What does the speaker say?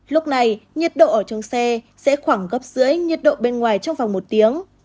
lúc này nhiệt độ ở trong xe sẽ khoảng gấp dưới nhiệt độ bên ngoài trong vòng một tiếng